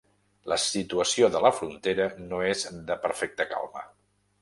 La situació a la frontera no és de perfecta calma.